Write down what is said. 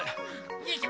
よいしょ。